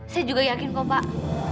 saya juga yakin kok pak